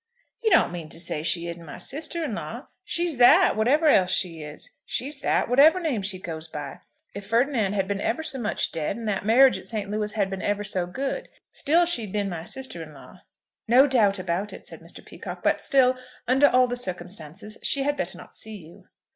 "You don't mean to say she isn't my sister in law? She's that, whatever else she is. She's that, whatever name she goes by. If Ferdinand had been ever so much dead, and that marriage at St. Louis had been ever so good, still she'd been my sister in law." "Not a doubt about it," said Mr. Peacocke. "But still, under all the circumstances, she had better not see you."